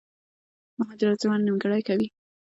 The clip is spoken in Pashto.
مهاجرت ژوند نيمګړی کوي